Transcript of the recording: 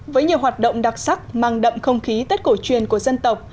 với nhiều hoạt động đặc sắc mang đậm không khí tết cổ truyền của dân tộc